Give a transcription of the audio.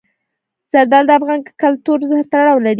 زردالو د افغان کلتور سره تړاو لري.